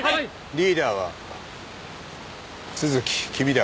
リーダーは都築君だ。